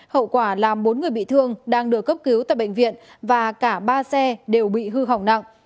hậu quả làm bốn người bị thương đang được cấp cứu tại bệnh viện và cả ba xe đều bị hư hỏng nặng